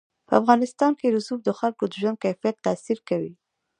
په افغانستان کې رسوب د خلکو د ژوند کیفیت تاثیر کوي.